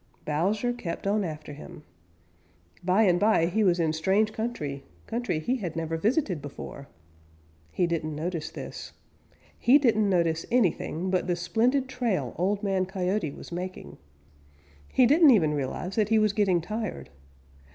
Bowser kept on after him. By and by he was in strange country, country he had never visited before. He didn't notice this. He didn't notice anything but the splendid trail Old Man Coyote was making. He didn't even realize that he was getting tired.